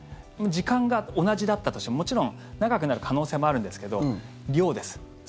時間が同じだったとしてももちろん長くなる可能性もあるんですけど、量です。